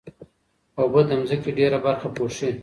اوبه د ځمکې ډېره برخه پوښي.